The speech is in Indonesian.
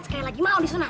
sekali lagi mau disunat